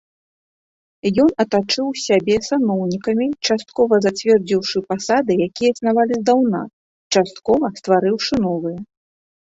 Ён атачыў сябе саноўнікамі, часткова, зацвердзіўшы пасады, якія існавалі здаўна, часткова, стварыўшы новыя.